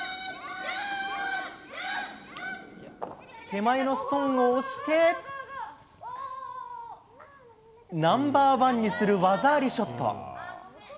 手前のストーンを押して、ナンバー１にする技ありショット。